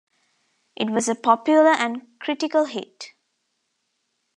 It was a popular and critical hit.